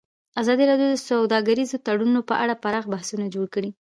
ازادي راډیو د سوداګریز تړونونه په اړه پراخ بحثونه جوړ کړي.